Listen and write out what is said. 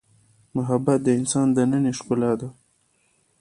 محبت د انسان دنننۍ ښکلا ده.